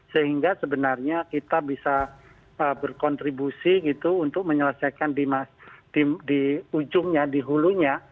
sehingga sebenarnya kita bisa berkontribusi gitu untuk menyelesaikan di ujungnya di hulunya